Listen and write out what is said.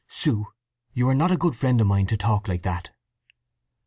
'"… "Sue, you are not a good friend of mine to talk like that!"